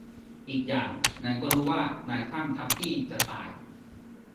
อีกอย่าง นายก็รู้ว่านายคลั่งทัปปี้จะตาย